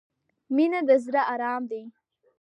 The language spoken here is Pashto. • مینه د زړۀ ارام دی.